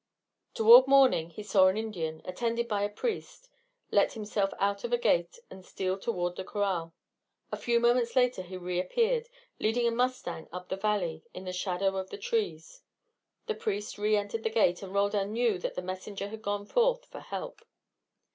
Toward morning he saw an Indian, attended by a priest, let himself out of a gate and steal toward the corral. A few moments later he reappeared, leading a mustang up the valley in the shadow of the trees. The priest re entered the gate, and Roldan knew that the messenger had gone forth for help.